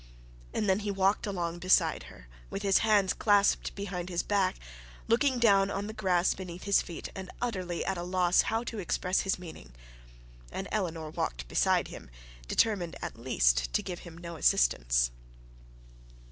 And then he walked along beside her, with his hands clasped behind his back, looking down on the grass beneath his feet, and utterly at a loss to express his meaning. And Eleanor walked beside him determined at least to give him no assistance.